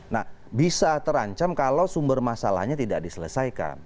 nah bisa terancam kalau sumber masalahnya tidak diselesaikan